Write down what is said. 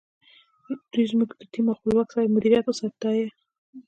دوی زموږ د ټیم او خپلواک صاحب مدیریت وستایه.